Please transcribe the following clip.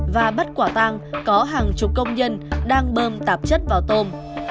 và bắt quả tang có hàng chục công nhân đang bơm tạp chất vào tôm